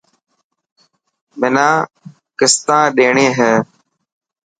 منا ڪستان ڏيڻي هي.